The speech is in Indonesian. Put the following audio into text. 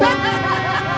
sampai jumpa lagi